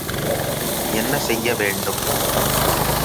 இல்லை, என்ன செய்ய வேண்டும்.